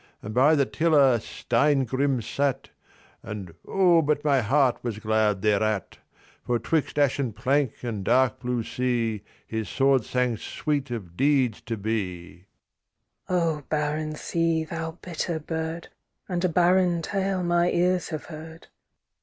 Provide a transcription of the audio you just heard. And by the tiller Steingrim sat, And O, but my heart was glad thereat! For 'twixt ashen plank and dark blue sea His sword sang sweet of deeds to be. THE KING'S DAUGHTER O barren sea, thou bitter bird, And a barren tale my ears have heard.